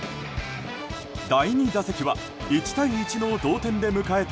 第２打席は１対１の同点で迎えた